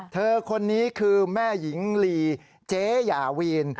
เธอคนนี้คือแม่หญิงลีเจ๊ยาวีน